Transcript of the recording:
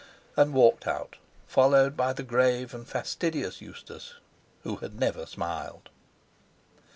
and walked out, followed by the grave and fastidious Eustace, who had never smiled.